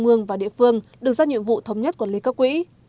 ương và địa phương được ra nhiệm vụ thống nhất quản lý các quỹ